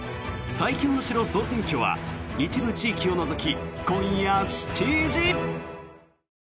「最強の城総選挙」は一部地域を除き、今夜７時。